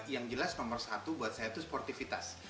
yang jelas nomor satu buat saya itu sportivitas